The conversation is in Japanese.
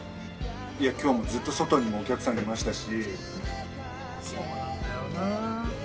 いや今日もずっと外にもお客さんがいましたし。